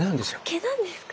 毛なんですか？